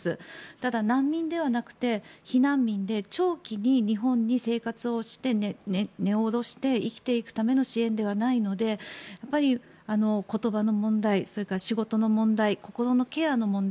ただ、難民ではなくて避難民で長期に日本に生活をして根を下ろして生きていくための支援ではないので言葉の問題、それから仕事の問題心のケアの問題